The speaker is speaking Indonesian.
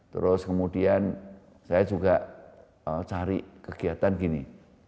terus kemudian saya juga cari kegiatan gini